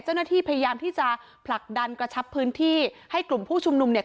เจ้าหน้าที่พยายามที่จะผลักดันกระชับพื้นที่ให้กลุ่มผู้ชุมนุมเนี่ย